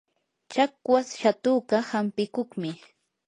chakwas shatuka hampikuqmi.